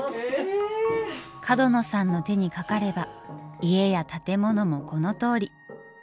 角野さんの手にかかれば家や建物もこのとおり。